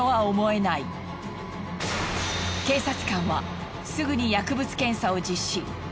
警察官はすぐに薬物検査を実施。